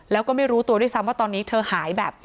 แล้วก็ไม่รู้จนตอนที่ถึงที่สำว่าตอนนี้เธอหายแบบ